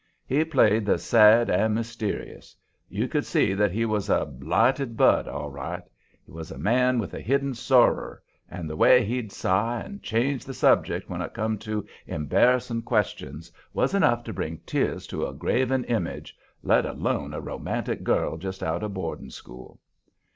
He played the sad and mysterious. You could see that he was a blighted bud, all right. He was a man with a hidden sorrer, and the way he'd sigh and change the subject when it come to embarrassing questions was enough to bring tears to a graven image, let alone a romantic girl just out of boarding school.